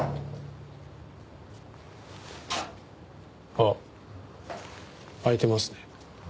あっ開いてますね。